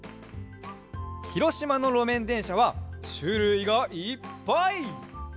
ひろしまのろめんでんしゃはしゅるいがいっぱい！